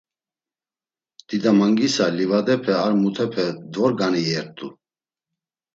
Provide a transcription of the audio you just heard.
Didamangisa livadepe ar mutepe dvorgani iyert̆u.